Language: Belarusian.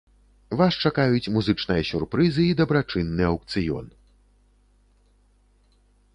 Вас чакаюць музычныя сюрпрызы і дабрачынны аўкцыён.